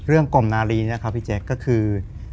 เรื่องกล่อมนารีนะครับพี่แจ๊กก็คือ